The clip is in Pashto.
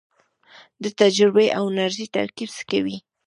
د تجربې او انرژۍ ترکیب څه کوي؟